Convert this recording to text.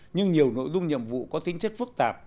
nhưng nhiều nội dung nhiệm vụ có tính chất phức tạp